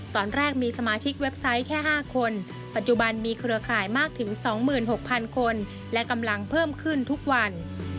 ตอนแรกมีสมาชิกเว็บไซต์แค่๕คนปัจจุบันมีเครือข่ายมากถึง๒๖๐๐๐คนและกำลังเพิ่มขึ้นทุกวัน